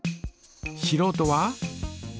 しろうとは？